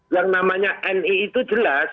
yang namanya ni itu jelas